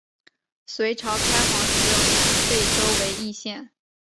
隋朝开皇十六年废州为易县。